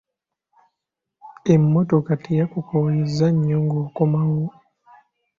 Emmotoka teyakukooyezza nnyo ng'okomawo?